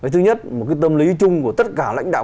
thứ nhất một cái tâm lý chung của tất cả lãnh đạo